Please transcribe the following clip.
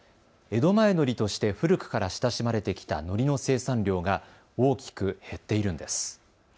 江戸前のりとして古くから親しまれてきたのりの生産量が大きく減っているんです。